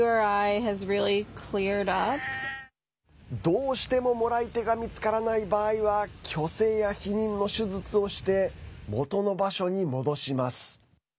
どうしてももらい手が見つからない場合は去勢や避妊の手術をして元の場所に戻します。